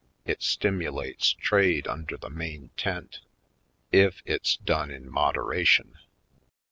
It stimulates trade under the main tent — if it's done in modera tion.".